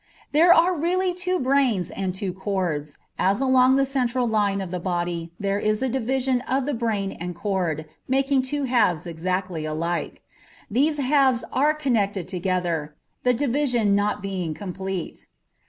There are really two brains and two cords, as along the central line of the body there is a division of the brain and cord, making two halves exactly alike. These halves are connected together, the division not being complete.